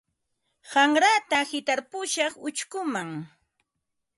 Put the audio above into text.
Qanrata hitarpushaq uchkuman.